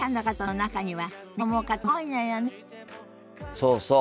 そうそう。